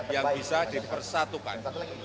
yang bisa dipersatukan